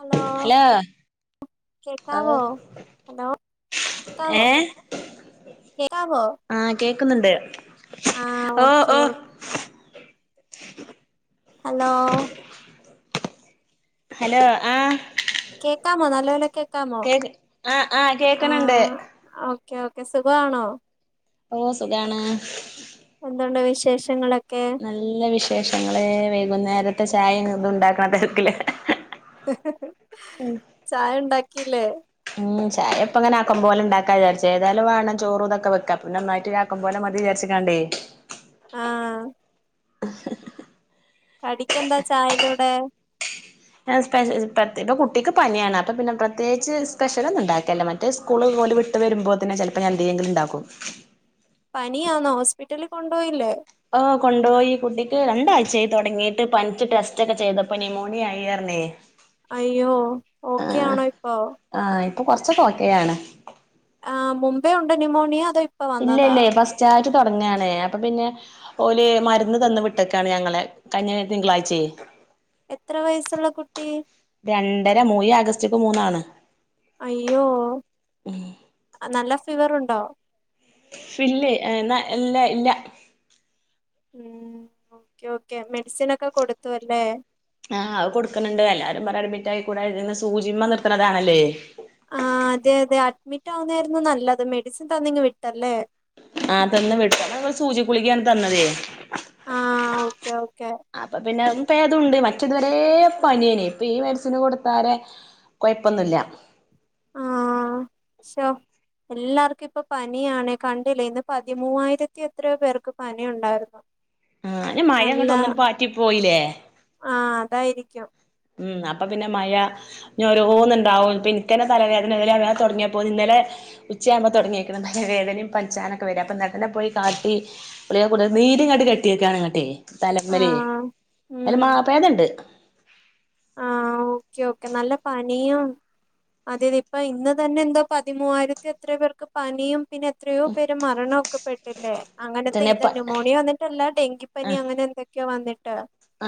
Hello കേക്കാവോ hello കേക്കാവോ ഏ കേക്കാവോ ന്നുണ്ട് ആഹ ഓക്കെ ഓ [inaudible] ഹലോ ഹലോ ആ കേക്കാമോ നല്ലപോലെ കേക്കാമോ കേക്ക് ആ ആ കേക്കണണ്ട് ഒ ഓക്കെ ഓക്കെ സുഖമാണോ ഓ സുഖാണ് എന്തതുണ്ട വിശേഷങ്ങളൊ നല്ല വിശേഷങ്ങള് വൈകുന്നേരത്തെ ചായ ഇതു ഉണ്ടാക്കണ തിരക്കില്ല [unintelligible] ചായ ഉണ്ടാക്കിയില്ലേ ഉം ചായപ്പപ്പോ ആകാംപോലെ പോല ഉണ്ടാക്കാചാരിച്ച ഏതായും വേണം ചോറുംതൊക്കെക്ക പിന്നെ ഒന്നായിട്ട ആക്കപോലെ മതി വിചരി ച്ചികാണ്ടേ ആഹ [unintelligible] കടിക്കെന്താ ചായയുടെ കുടെ ആ സ്പ ഇപ്പ കുട്ടിക്ക് പനിയാണ് അപ്പൊ പിന്നെ പ്രത്യേകിച്ച് സ്പെഷ്യല ഒന്നും ഉണ്ടാകലില്ലേ മറ്റേ സ്കൂൾ ഓള് വിട്ട് വരുമ്പോതിന് ചിലപ്പോ എന്തെങ്കിലും ഉണ്ടാക്കും പനിയാനോ ഹോസ്പിറ്റലിൽ കൊണ്ടുപോയില്ലേ ഹ കൊണ്ട്പോയി കുട്ടിക്ക് രണ്ടാഴ്ചയായി തുടങ്ങിയിട്ട് പനിച്ച് ടെസ്റ്റ് ഒക്കെ ചെയ്തപ്പോ ന്യമോണിയ ആയായിർന്നു ന്ന് അയ്യോ ഓക്കെ ആണോ ഇപ്പൊ ആഹ് ഇപ്പൊ കൊറച്ച ഓകെയാണ് ആഹ് മുമ്പേ ഉണ്ട് നിമോണിയ അദോ ഇല്ല ഇല്ലേ പസ്റ്റായി തുടങ്ങാണേ അപ്പൊ പിന്നെ ഓല് മരുന്ന് തന്ന് വിട്ടൊക്കാണ് ഞങ്ങലെ കഴിഞ്ഞ തിങ്കളാചെയ് എത്ര വയസ്സുള്ള കുട്ടി രണ്ടര മൂയ് ആഗസ്റ്റിക്കും മൂന്നാണ് അയ്യോ നല്ല ഫീവർുണ്ടോ ഫില്ലേ എന്നാ ഇല്ല ഇല്ല ഉ ഓക്കെ ഓക്കെ മെഡിസിൻ ഒക്കെ കൊടുത്തുഅല്ലേ ആഹ് അവ കൊടുക്കുന്നുണ്ട് എല്ലാരും പറ അഡ്മിറ്റ ആയിക്കൂടന്ന് സൂചിമ്മ നിർത്തണതാണല്ലേ ആ അതെ അതെ അഡ്മിറ്റ് ആവുന്നായിരുന്നു നല്ലത് മെഡിസിൻ തന്നിങ് വിട്ടല്ലേ ആ തന്നന്ന് വിട്ട ങ്ങൾ സൂചി കുളിക്ക തന്നതേ ആ ഓക്കെ ഓക്കെ ഇപ്പേതുണ്ട് മറ്റതുവരെ പനിയേന് ഇപ്പൊ ഈ മെഡിസിന് കൊടുത്താല കുഴപ്പൊന്നുമില്ല ആ ശ എല്ലാർക്കും ഇപ്പൊ പനിയാണ് കണ്ടില്ലേ ഇന്ന് പതിമൂവായിരത്തി എത്രയോ പേർക്ക് പനി ഉണ്ടായിരുന്നു ആ മഴ നല്ല അങ്ങോട്ട് ഒന്നി പാറ്റി പോയില്ലേ ആ അതായിരിക്കും ഉം അപ്പൊ പിന്നെ മഴ ഓരോന്നുണ്ടാവും ഇപ്പൊ ഇനിക്കനെ തലവേദന ഇലങ്ങനെ തുടങ്ങിയപ്പോ ഇന്നലെ ഉച്ചയ ആകുമ്പോ തുടങ്ങിയിണം നല്ല വേദനയും പഞ്ചാനൊക്കെ വര അപ്പൊ നനെ പോയി കാട്ടി ന ങ്ങാട്ട് കെട്ടിയക്കാണ്ങ്ങട്ടെ ആ തലമല് ഉം മാപ്പ ഏതണ്ട് ആ ഓക്കെ ഓക്കെ നല്ല പനിയും അതെതെ ഇപ്പ ഇന്ന് തന്നെ എന്താ പതിമൂവായിരത്തി എത്ര പേർക്ക് പനിയും പിന്നെ എത്രയോ പേര് മരണമൊക്കെ പെട്ടില്ലേ അങ്ങനത്തെ പിന്നെ ഇത് പ ന്യുമോണിയോ വന്നിട്ടല്ല ഡെങ്കിപ്പനി ആഹ് അങ്ങനെ ഇതൊക്കെ വന്നിട്ട്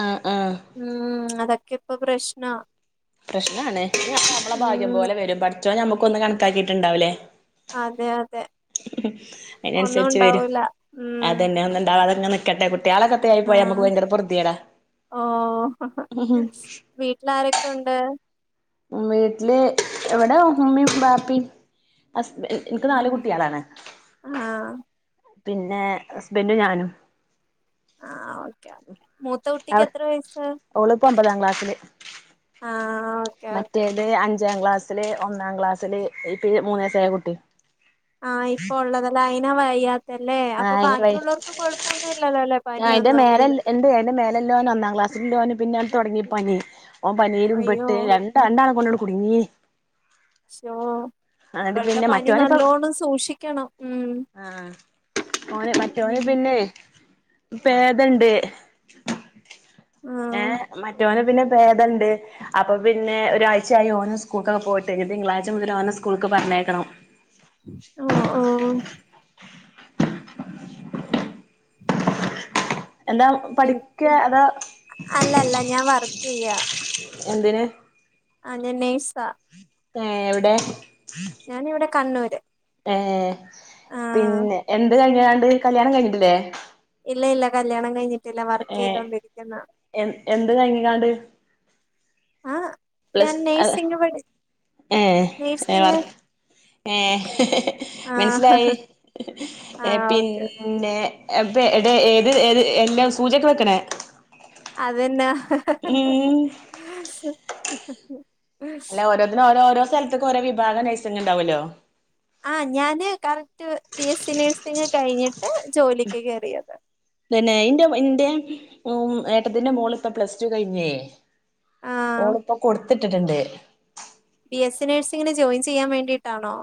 ആഹ് ആഹ് ഉം അതൊക്കെ ഇപ്പൊ പ്രശ്ന പ്രശ്നമാണ് നമ്മളെ ഭാഗ്യം ഉം പോലെ വരും പടച്ചോൻ നമ്മക്ക ഒന്ന കണക്കാക്കിയിട്ടുണ്ടാവലേ അതെ അതെ ഒന്നും അതിനനുസരിച്ച് വരും ഉണ്ടാവൂല ഉം അതനെ ഒന്ന ഇണ്ടാവാ അതങ്ങ് നിക്കട്ടെ കുട്ട മയാള കത്തെ ആയി പോയി നമുക്ക് ആഹ് ഭയങ്കര പുറത്തിയടാ ഓ വീട്ടിൽ ആരൊക്കെ ഉണ്ട് വീട്ടില് എവിട ഉമ്മി ബാപ്പി അസ് എനിക്ക് നാല് ഉം കുട്ടികളാണ് ആഹ് പിന്നെ ഹസ്ബൻഡും ഞാനും ആ ഓക്കെ ഓക്കെ മൂത്ത കുട്ടിക്ക് അവി എത്ര വയസ്സ ഓളിപ്പോ ഒമ്പതാം ക്ലാസ്സില് ഓക്കെ ഓക്കെ മറ്റേല് അഞ്ചാം ക്ലാസ്സില് ഒന്നാം ക്ലാസ്സില് ഇപ്പ മൂന്ന വയസ ആയ കുട്ടി ആ ആ ഇപ്പ ഉള്ളതല്ല അയിന വയ്യാത്തല്ലേ ആ അപ്പൊ അയിന് ബാക്കിയുള്ളവർക്ക് കൊഴപ്പൊന്നുമല്ലല്ലോ അല്ലേ പനിയൊന്നും എന്റെ മേലല്ലോൻ ഒന്നാംക്ലാസ് ഇ പിന്നെ തുടങ്ങി പനി ഓ പനരും അയ്യോ പെട്ട് രണ്ട രണ്ടാണ് കൊണ്ടോടി കുടുങ്ങീ ക്ഷോ ഇപ്പോഴത്തെ പിന്നെ പനി മറ്റോനിപ്പം നല്ലോണം സൂക്ഷിക്കണം ഉം ഓന മറ്റോന് ഉം പിന്നെ പേതണ്ട് ഏ ആഹ് മറ്റന്ന് പിന്നെ ഭേദമണ്ട് അപ്പ പിന്നെ ഒരാഴ്ചയായി ഓന സ്കൂൾക്കെ പോയിട്ട് തിങ്കളാഴ്ച മുതൽ ഓന സ്കൂൾ പറഞ്ഞേക്കണം ഒ ഒ ഒ എന്താ പിൻ പഠിക്ക അതാ അല്ലല്ല ഞാൻ വർക്ക് എന്തിന് ആ നഴ്സ് ആ ഏ എവിടെ ഞാനിവിടെ കണ്ണൂര് ഏ ആഹ് പിന്നെ എന്ത് കഴിഞ്ഞാണ്ട് കല്യാണം കഴിഞ്ഞിട്ടില്ലേ ഇല്ല ഇല്ല കല്യാണം കഴിഞ്ഞിട്ടില്ല വർക്ക് ഏ ചെയ്തൊണ്ടിരിക്കുന്ന എന്ത് കഴിഞ്ഞിക്കാണ്ട് ആ ഞാൻ പ്ലസ് നൈ്സിംങ്ങ് പടി ഏ ഏ വർ ഏ ആഹ് മനസിലായി ഏ ആഹ് ഓക്കെ പിന്നെ പ്പ എടെ ഏത് ഏത് എല്ലാ സൂചക്ക് വെക്കണേ അതന്നെ ഉം [unintelligible] അല്ലാ ഓരോതിനും ഓരോ ഓരോ സ്ഥലത്തക്കും ഓരോ വിഭാഗം നഴ്സിങ് ഉണ്ടാവൊല്ലോ ആഹ് ഞാന് correct B S C nursing കഴിഞ്ഞി ഉം പിന്നെ ഇന്റെ ഇന്റെ ഉം ഏട്ടത്തിന്റെ മോളിപ്പ പ്ലസ് ടു കഴിഞ്ഞേ ആ ഓളിപ്പ കൊടു ത്ത് ഇട്ടിട്ടുണ്ട് ബി എസ് സി നേഴ്സിങ്ങിന് ജോയിൻ ചെയ്യാൻ വേണ്ടിയിട്ടാണോ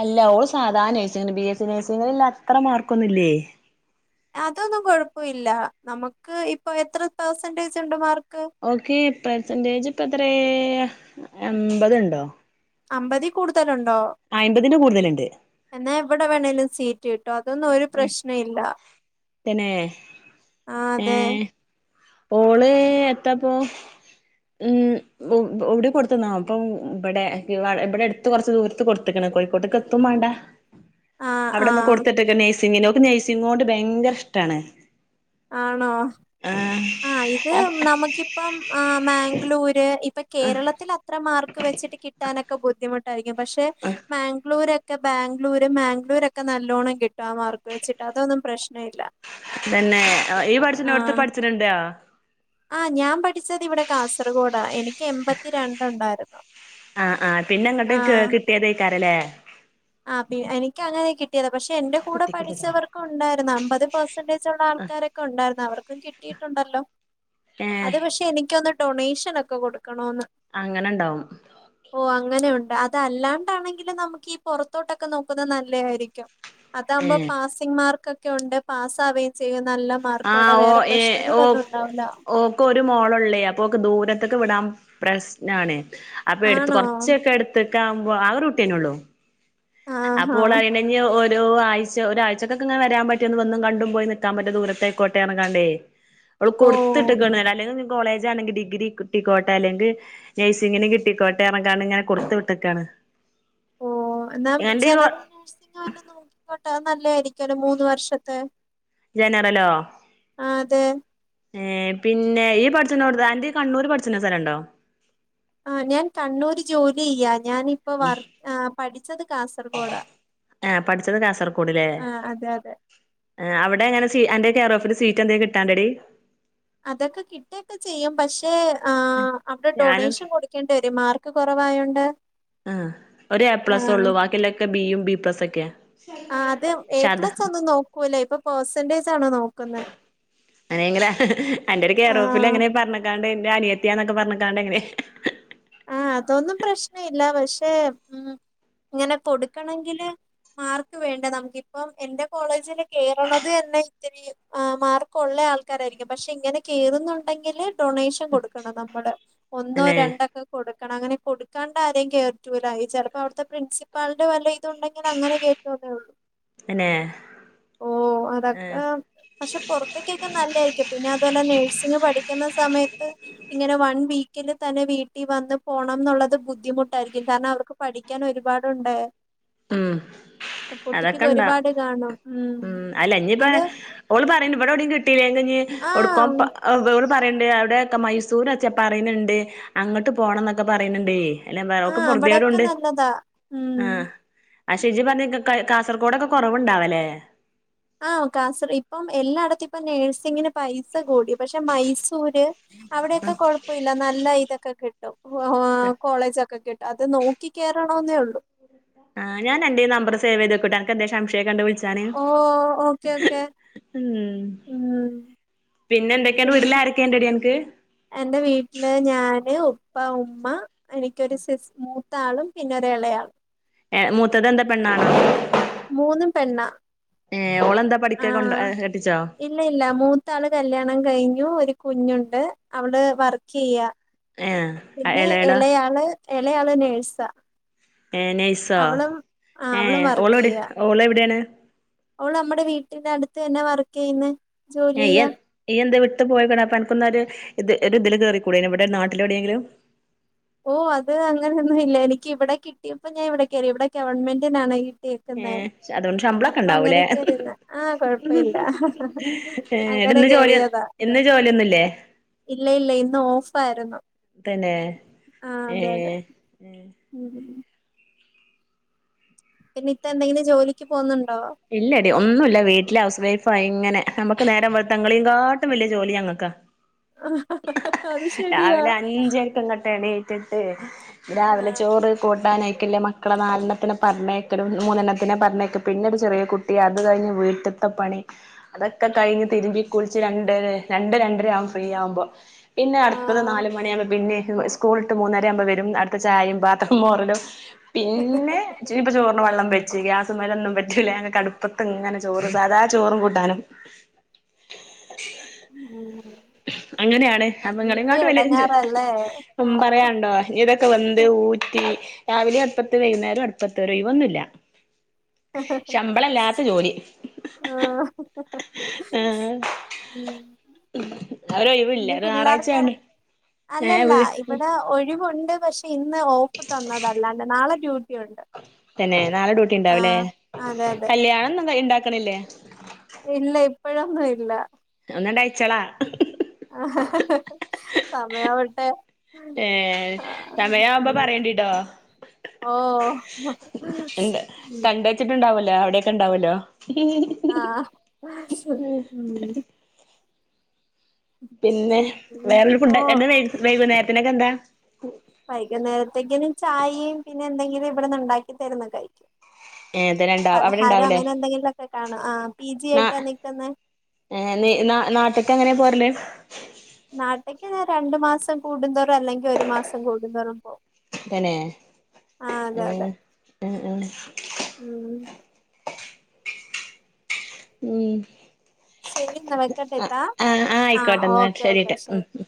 അല്ല ഓള് സാധാ നഴ്സിങിന് ബി എസ് സി നഴ്സിങ്ങിനുള്ള അത്ര മാർക്കൊന്നും ല്ലേയ് അതൊന്നും കൊഴപ്പവില്ല നമുക്ക് ഇപ്പൊ എത്ര പെർസെന്റേജ് ഉണ്ട് മാർക്ക് ഓക്ക് പെർസെന്റേജ് ഇപ്പ എത്രേ എമ്പതുണ്ടോ അമ്പതി കൂടുതലുണ്ടോ അയ്മ്പതിന്റെ കൂടുതലുണ്ട് എന്നാ എവിടെ വേണേലും സീറ്റ് കി ട്ടോ അതൊന്നും ഒരു പ്രശ്ന ഇല്ല തന്നെ ആ അതെ ഏഹ് ഓള് എത്തപ്പോ ഉം എവിടെ കൊടുത്തുന്നാവൊ ഇപ്പം ഇവിടെ ഇവിടെ എടുത്ത് കൊറച്ച് ദൂരത്ത് കൊടുത്തക്ക്ണ് കോയിക്കോട്ട്ക്ക് എത്തും മാണ്ടാ ആ ആ അവിടൊന്ന് കൊടുത്തിട്ടെക്ക് നെയ്സിംങ്ങിന് ഓക്ക് നെയ്സിങ്ങോട് ഭയങ്കര ഇഷ്ടാണ് ആണോ ആ ആ ഇത് നമുക്കിപ്പം ആ മാംഗ്ലൂര് ഇപ്പൊ കേരളത്തിൽ അത്ര മാർക്ക് വെച്ചിട്ട് കിട്ടാനൊക്കെ ബുദ്ധിമുട്ടായിരിക്കും പക്ഷെ മാംഗ്ലൂരൊ ക്കെ ബാംഗ്ലൂര് മാംഗ്ലൂരൊക്കെ നല്ലോണം കിട്ടും ആ മാർക്ക് വെച്ചിട്ട് അതൊന്നും പ്രശ്ന ഇല്ല തന്നെ ഇയ്യ് പഠിച്ചിണോ ട്ത്ത് പഠിച്ച്ണ് ണ്ടോ ആ ഞാൻ പഠിച്ചത് ഇവിടെ കാസർഗോഡാ എനിക്ക് എമ്പത്തിരണ്ട് ഉണ്ടായിരുന്നു ആ ആ പിന്നെ അങ്ങട്ട് ക്കേ കിട്ടേതയ്ക്കാരല്ലേ ആ പി എനിക്ക് അങ്ങനെ കിട്ടിയത പക്ഷെ എന്റെ കൂടെ പഠിച്ചവർക്കും ഉണ്ടായിരുന്നു അമ്പത് പെർസെന്റേജ് ഉള്ള ആൾക്കാരൊക്കെണ്ടായിരുന്നു അവർക്കും കിട്ടിയിട്ടു ണ്ടല്ലോ ഏ അത് പക്ഷെ എനിക്കൊന്നു ഡൊണേഷൻ ഒക്കെ കൊടുക്കണോന്ന് അങ്ങനെ ഉണ്ടാവും ഓ അങ്ങനൊയു അതല്ലാണ്ടാണെങ്കിലും നമുക്ക് ഈ പുറത്തോട്ടൊക്കെ നോക്കുന്നത് നല്ലേയിരിക്കും അതാകുമ്പോ ഏഹ് പാസിങ് മാർക്ക് ഒക്കെ ഉണ്ട് പാസ് ആവേം ചെയ്യും നല്ല ആ മാർക്കോടെ ഓ വേറെ ഏ ഓ പ്രശ്നങ്ങളൊന്നും ഉണ്ടാവില്ല ഓക്ക് ഒരു മോളുള്ളേ അപ്പൊ ഓക്ക് ദൂര ത്തൊക്ക് വിടാൻ പ്രശ്നാണ് അപ്പൊ എടുത്ത് ആണോ കുറച്ചൊക്കെഎടുത്തേ എടുത്ത് ക്കാവുമ്പൊ ആകെ ഒരു കുട്ട്യന്നെ ഉള്ളൂ അപ്പൊ ആഹാ ഓൾ അയിനെ ഇഞ്ഞി ഒ ഒരോ ആഴ്ച ഒരാഴ്ച്ചക്കൊക്കെങ്ങനെ വരാൻ പറ്റി ഒന്ന് വന്നും കണ്ടും പോയി നിക്കാൻ പറ്റിയ ദൂരത്തയിക്കോട്ടെ ന്ന് പറഞ്ഞ്കാണ്ടെയ് അവള് ഓ കൊടുത്തിട്ടിക്ക്ണ് അല്ലെങ്കിൽ കോളേജ് ആണെങ്കി ഡിഗ്രി കിട്ടിക്കോട്ടെ അല്ലെങ്കിൽ നഴ്സിങ്ങിന് കിട്ടിക്കോട്ടെ പറഞ്ഞ്കാണ്ട് ഇങ്ങനെ കൊട്ത്തു വിട്ടക്കാണ് ഓ എന്നാ ജനറൽ നേഴ്സിങ് വല്ലോം നോക്കിക്കോട്ടെ നല്ലയായിരിക്കുവല്ലോ മൂന്ന് വർഷത്തെ ജനറലോ ആ അതെ ഏ പിന്നെ ഈ പഠിച്ചിണ്ടോടുത്ത് അന്റെ ഈ കണ്ണൂര് പഠിച്ചണ സ്ഥലോണ്ടോ ആ ഞാൻ കണ്ണൂര് ജോലി ചെയ്യാ ഞാനിപ്പോ വർ ആ പഠിച്ചത് കാസർഗോഡാ ത് കാസർഗോഡിലേ ആ അതെ അതെ ആ അവിടെ എങ്ങനെ സീ അന്റെ കെയർ ഓഫില് സീറ്റ് എന്തെ കിട്ടാണ്ടെടി അതൊക്കെ കിട്ടുകൊക്കെ ചെയ്യും പക്ഷെ ആ അവിടെ ഞാനും ഡൊണേഷൻ കൊടുക്കേണ്ടി വരും മാർ ക്ക് കുറവായോണ്ട് ആ ഒരു എ പ്ലസ് ആഹ് ഉള്ളൂ ബാക്കിയൊല്ലൊക്കെ ബിയും ബിപ്ലസ് ഒക്കെയാ ആ അത് എ പക്ഷെ അതാ പ്ലസ് ഒന്നും നോക്കൂല്ല ഇപ്പൊ പെർസെന്റേജ് ആണ് നോക്കുന്നെ അങ്ങനെങ്കിലാ അന്റെ ഒരു കേയറോഫിൽ ആഹ് അങ്ങനെ പറഞ്ഞക്കാണ്ട് എന്റെ അനിയത്തിയാന്നൊക്കെ പറഞ്ഞക്കാണ്ട് എങ്ങനെ ആ അതൊന്നും പ്രശ്നവില്ല പക്ഷെ ഉം ഇങ്ങനെ കൊടുക്കണെങ്കില് മാർക്ക് വേണ്ടെ നമുക്കിപ്പം എന്റെ കോളേജില് കേറണത് തന്നെ ഇത്തിരി ആ മാർക്ക് ഒള്ളെ ആൾക്കാരായിരിക്കും പക്ഷെ ഇങ്ങനെ കേറുന്നൊണ്ടെങ്കില് ഡൊണേഷൻ കൊടുക്കണം നമ്മള് ഒന്നോ തന്നെ രണ്ട്ക്കെ കൊടുക്കണം അങ്ങനെ കൊടുക്കാണ്ട് ആരേം കേറ്റൂല്ലാ ചെലപ്പോ അവിടത്തെ പ്രിൻസിപ്പാളിന്റെ വല്ല ഇതുണ്ടെങ്കി അങ്ങനെ കേറ്റുവന്നെ ഒള്ളൂ തന്നെ ഓ അതക്ക ഏഹ് പക്ഷെ പൊറത്തേക്കൊക്കെ നല്ലേരിക്കും പിന്നെ അതുപോലെ നേഴ്സിങ് പഠിക്കുന്ന സമയത്ത് ഇങ്ങനെ വൺ വീ ക്കെൻറ്റ് തന്നെ തന്നെ വീട്ടി വന്ന് പോണം ന്നോള്ളത് ബുദ്ധിമുട്ടാരിക്കും കാരണം അവർക്ക് പഠിക്കാൻ ഒരുപാട് ഒണ്ടേ ഉം അതൊക്കെ ഇണ്ടാ ഒരുപാട് കാണും ഉം അല്ല ഇനിപ്പ അത് ഓള് പറയണ്ട് ഇവിടെവിടും കിട്ടില്ലേങ്കി ഇനി ഒടുക്കോ ആഹ് [unintelligible] പറയണ്ട് അവിടെ ഒക്കെ മൈസൂർ വച്ചാ പറയ്ന്ന്ണ്ട് അങ്ങോട്ട് പോണം എന്നൊക്കെ പറയുന്നുണ്ടേ എല്ലാ വേറൊക്കെ ആഹ് അവിടെക്കെ പോർതിയേഡ്ണ്ട് നല്ലതാ ഉം ആഹ് ആ ഷിജി പറഞ്ഞ കാസർകോഡൊക്കെ കൊറവുണ്ടാവലേ ആഹ് കാസർ ഇപ്പം എല്ലാടത്തും ഇപ്പ നഴ്സിങ്ങിന് പൈ സാ കൂടി പക്ഷെ മൈസൂര് അവിടൊക്കെ കൊഴപ്പവില്ല നല്ല ഇതൊക്കെ കി കോളേജൊക്കെ കിട്ടും അത് നോക്കി കേറണെന്നേ ഒള്ളൂ ആഹ് ഞനന്റെ നമ്പർ സേവേതെക്കോട്ടോ എനക്ക് എന്തേ ഷംശെ കൊണ്ടേ വിളി ച്ചാണ് ഓ ഓക്കെ ഓക്കെ ഉം പിന്നെ എന്തൊക്കെയാണ് പിന്നെ വീട്ടിലാരൊക്കെയൊണ്ടടി അനക്ക് എന്റെ വീട്ടില് ഞാന്, ഉപ്പ, ഉമ്മ എനിക്കൊരു സിസ് മൂത്താളും പിന്നെ എളയാൾ ഏഹ് മൂത്തത് എന്താ പെണ്ണാണോ മൂന്നും പെണ്ണാ ഏഹ് ഓളെന്താ പഠിക്ക കൊണ്ട ആഹ് കെട്ടിച്ചോ ഇല്ല ഇല്ല മൂത്ത ആള് കല്യാണം കഴി ഞ്ഞു ഒരു കുഞ്ഞോണ്ട് അവള് വർക്ക് ചെയ്യാ ഏഹ് പിന്നെ എളേളോ എളേയാള് എളേയാള് നേഴ്സാ ഏഹ് നഴ്സോ അവളും ആഹ് അവളും ഏഹ് ഓള് എവിടെ ഓള് എവിടെയാണ് ഓള് നമ്മടെ വീട്ടിന്റെ അടുത്ത് തന്നെ വർക്ക് ചെയ്യന്ന് എൻ [unintelligible] [unintelligible] അപ്പ അനക്കോന്ന് ഒരു ഇത് ഇതില് കേറി കൂടെ ഇവിടെ നാട്ടില് എവിടെങ്കിലും ഓ അത് അങ്ങനൊന്നും ഇല്ല എനിക്ക് ഇവിടെ കിട്ടിയപ്പോ ഞാ ഇവിടെ കേറി ഇവിടെ ഗവൺമെന്റിനാണ് കിട്ടിയേക്കുന്നെ ഏഹ് അതുകൊണ്ട് ശമ്പളൊക്കെ അപ്പ അങ്ങനെ ഉണ്ടാവൂലേ കേറിതാ ആ കൊഴപ്പില്ല അ എന്ന് ഇന്ന് ജോലി ഇന്ന് ജോലി ഒന്നുവില്ലേ? ഇല്ല ഇല്ല ഇന്ന് ഓഫ് ആരുന്നു തന്നെ ഏഹ് ഉം പിന്നെ ഇത്ത എന്തെങ്കിലും ജോലിക്ക് പോകുന്നോ ഇല്ലടി ഒന്നുവില്ല വീട്ടിലെ ഹൗസ് വൈ ഫാ ഇങ്ങനെ നമുക്ക് നേരം വെളുത്താ ഇങ്ങളെ കാട്ടിലും വല്യ ജോലി ഞങ്ങക്കാ അത് ശരിയാ രാവിലെ അഞ്ചരക്കങ്ങട്ട് ഏണിറ്റ് രാവിലെ ചോറ് കൂട്ടാനായി മക്കളെ നാലെണ്ണത്തിന് പറഞ്ഞേക്ക മുന്നെണ്ണനെ പറഞ്ഞേക്കെ പിന്നെ ഒരു ചെറിയ കുട്ടി അത് കഴിഞ്ഞ് വീട്ട് ത്തപ്പണി അതൊക്കെ കഴിഞ്ഞ് തിരുമ്പി കുളിച്ച് രണ്ടര രണ്ട് രണ്ടരയാകും ഫ്രീ ആവുമ്പോ പിന്നെ അടുത്തത് ആഹ് നാല് മണിയമ്പോ പിന്നേം സ്കൂൾ ഇട്ട് മൂന്നര ആവുമ്പോ വരും അടുത്ത ചായയും പാത്രം മോറലും പിന്നെ ചോ ത്തെ വെള്ളം പിടിച്ചെക്ക്യ ഗ്യാസും മേലൊന്നും പറ്റൂല ഞങ്ങക്ക് അടുപ്പത്ത് ഇങ്ങനെ ചോറ് അതാ ചോറും കൂട്ടാനും ഉം അങ്ങനെയാണ് അപ്പ വല്യ ഇങ്ങളെക്കാട്ടു [unintelligible] എടങ്ങാറല്ലേ ഉം ആഹ് പറയാണ്ടോ ഇതൊക്കെ വന്ത് ഊറ്റി രാവിലേം അട്പത്ത് വൈകുന്നേരേം അട്പത്ത് ഒരൊഴിവൊന്നുംല്യ ശമ്പളല്ലാത്ത ജോലി. ആഹ് ഹ് ഹ് ഹ് ആഹ് ഉം ഒരൊഴിവില്ല ഇന്ന് ഒരു ഞായറാഴ്ചയായോണ്ട് പിള്ളേർക്കാർക്ക് ഏഹ് അല്ലല്ല വീ ഇവിടെ ഒഴിവുണ്ട് പക്ഷെ ഇന്ന് ഓഫ് തന്നതല്ലാണ്ട് നാളെ ഡ്യൂട്ടി ഉണ്ട്. തന്നെ നാളെ ഡൂട്ടിണ്ടാവല്ലേ ആഹ് അതെ അതെ കല്യാണം ക്കണില്ലേ ഇല്ല ഇപ്പോഴൊന്നും ഇല്ല. ഒന്നണ്ടഴച്ചളാ ആ ഹ ഹ ഹ ഹ് സമയാവട്ടെ. ഏ ആഹ് സമയാവുമ്പോ ഉം പറയേണ്ടിട്ടോ? ഓ കണ്ട് കണ്ടെച്ചിട്ടുണ്ടാവല്ലോ അവിടെക്കെ ണ്ടാവല്ലോ? ആഹ് ഉം [unintelligible] പിന്നെ പിന്നെ ഓ വേറൊരുഫുഡ് എന്താ വൈ വൈകുന്നേരത്തിന്ക്കെന്താ? വൈകുന്നേരത്തേക്ക്നും ചായയും പിന്നെന്തെങ്കിലും ഇവിടന്ന്ണ്ടാക്കി തരുന്നകഴിക്യും. ഏതനണ്ടാ അവിടെ പലഹാരം ഇണ്ടാവൂലേ അങ്ങനെ എന്തെങ്കിലും ഒക്കെ കാണോ ആ പി ജി നാ ആയിട്ടാ നിക്കുന്നേ? ഏ നീ നാ നാട്ട്ക്കെങ്ങനെ പോര്ല്? നാട്ട്ക്ക് ഞാൻ രണ്ടു മാസം കൂടുന്തോറും അല്ലെങ്കി ഒരു മാസം കൂടുന്തോറും പോവും. തന്നേ ഉം അതെ ഉം ഉം [unintelligible] ഉം ശരി ന്നാ ആ വെക്കട്ടെത്താ ആ ആഹ ആയിക്കോട്ടെ എന്നാ ഓക്കെ ഓക്കെ ശരിട്ടാ ഉം ശരി ഉം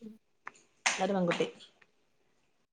ഓ [unintelligible]